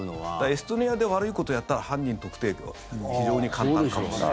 エストニアで悪いことをやったら犯人特定は非常に簡単かもしれない。